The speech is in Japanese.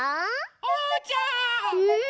おうちゃん。